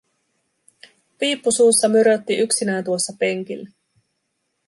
Piippu suussa mörötti yksinään tuossa penkillä.